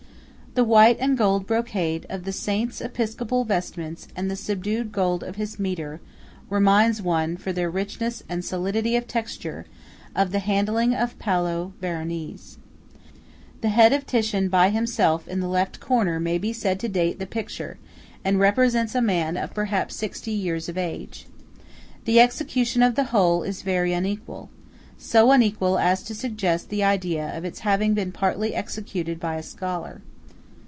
The white and gold brocade of the Saint's Episcopal vestments and the subdued gold of his mitre, remind one, for their richness and solidity of texture, of the handling of Paulo Veronese. The head of Titian by himself in the left corner may be said to date the picture, and represents a man of perhaps sixty years of age. The execution of the whole is very unequal–so unequal as to suggest the idea of its having been partly executed by a scholar.